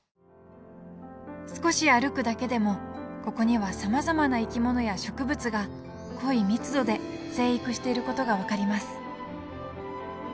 少し歩くだけでもここにはさまざまな生き物や植物が濃い密度で生育していることが分かります。